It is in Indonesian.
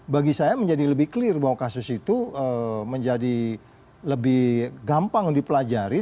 bagi saya menjadi lebih clear bahwa kasus itu menjadi lebih gampang dipelajari